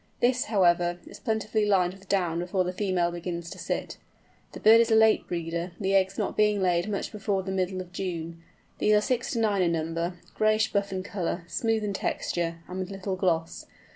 This, however, is plentifully lined with down before the female begins to sit. The bird is a late breeder, the eggs not being laid much before the middle of June. These are six to nine in number, grayish buff in colour, smooth in texture, and with little gloss.